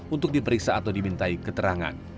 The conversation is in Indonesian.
untuk diperiksa atau dimintai keterangan